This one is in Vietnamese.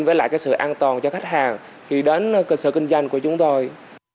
với lại cái sự an toàn cho khách hàng khi đến cơ sở kinh doanh của chúng tôi